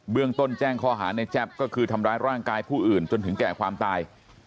เรื่องต้นแจ้งข้อหาในแจ๊บก็คือทำร้ายร่างกายผู้อื่นจนถึงแก่ความตาย